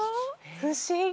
不思議！